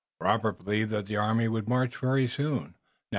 Robert believed that the army would march very soon now.